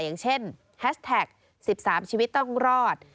อย่างเช่นแฮชแท็ก๑๓ชีวิตต้องรอด